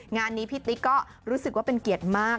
งานนี้พี่ติ๊กก็รู้สึกว่าเป็นเกียรติมาก